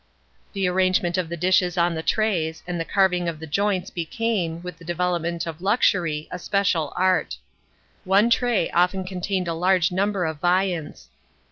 f The arrangement of the dishes on the trays, and the carving of the joints became, with the development of luxury, a special art. J One tray olten contain* d a large number of viands.